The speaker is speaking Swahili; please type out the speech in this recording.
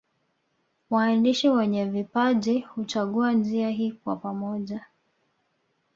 Waandishi wenye vipaji huchagua njia hii kwa pamoja